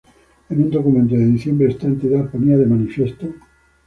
En un documento de diciembre esta entidad ponía de manifiesto